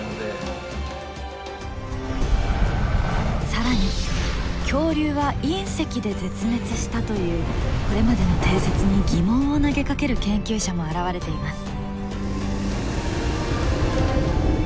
更に恐竜は隕石で絶滅したというこれまでの定説に疑問を投げかける研究者も現れています。